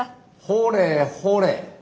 ほれほれ。